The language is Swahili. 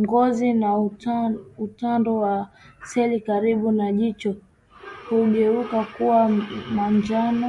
Ngozi na utando wa seli karibu na jicho hugeuka kuwa manjano